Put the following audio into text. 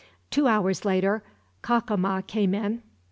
Two hours later, Cacama came in.